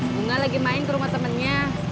bunga lagi main ke rumah temennya